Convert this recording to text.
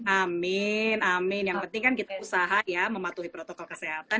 amin amin yang penting kan kita usaha ya mematuhi protokol kesehatan